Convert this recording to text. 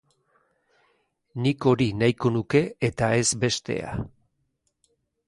Nik hori nahiko nuke eta ez bestea.